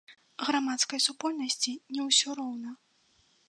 Грамадскай супольнасці не ўсё роўна!